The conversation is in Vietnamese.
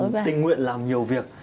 và tình nguyện làm nhiều việc